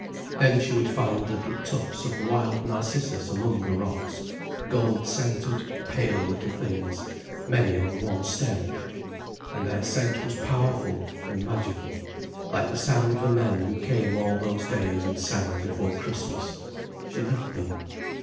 Then she would find little tufts of wild narcissus among the rocks, gold centred pale little things, many on one stem. And their scent was powerful and magical, like the sound of the men who came all those days and sang before Christmas. She loved them.